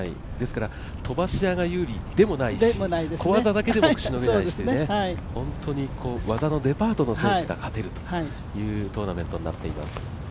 飛ばし屋が有利でもないし小技だけでもしのげないし本当に技のデパートの選手が勝てるというトーナメントになっています。